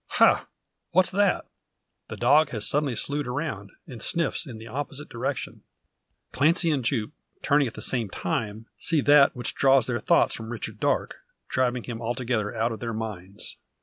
Ha! what's that?" The dog has suddenly slewed round, and sniffs in the opposite direction. Clancy and Jupe, turning at the same time, see that which draws their thoughts from Richard Darke, driving him altogether out of their minds.